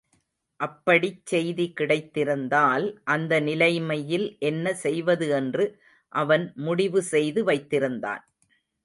அப்படிச் செய்தி கிடைத்திருந்தால் அந்த நிலைமையில் என்ன செய்வது என்று அவன் முடிவு செய்து வைத்திருந்தான்.